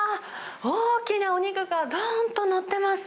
大きなお肉ががーんと載ってます。